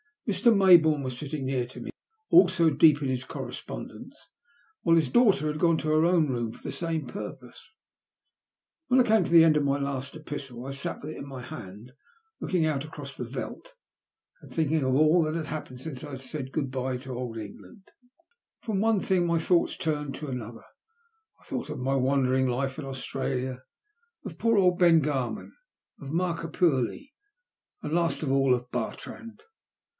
Mr. Maybourne was sitting near me, also deep in his correspondence, while his daughter had gone to her own room for the same purpose. When I came to the end of my last epistle I sat with it in my hand, looking out across the veldt, and thinking of all that had happened since I had said good bye to old England. A TEBBIBLB SUBPBISE. !Z51 From one thing my thoughts turned to another ; I thought of my wandering life in Australia, of poor old Ben Garman, of Markapurlie, and last of all of Bartrand.